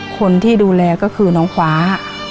คนที่ดูแลก็คือน้องฟ้า